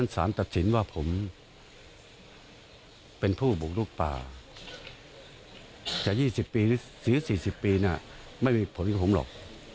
สิบปีน่ะไม่มีผมอย่างผมหรอก